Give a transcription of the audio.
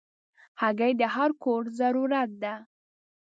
هګۍ د هر کور ضرورت ده.